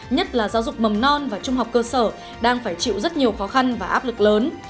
nhất là giáo dục mầm non và trung học cơ sở đang phải chịu rất nhiều khó khăn và áp lực lớn